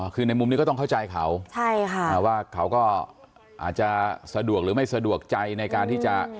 คือในมุมนี้ก็ต้องเข้าใจเขาว่าเขาก็อาจจะสะดวกหรือไม่สะดวกใจในการที่จะ